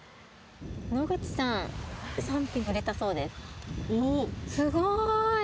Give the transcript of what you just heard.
野口さん、３品売れたそうです。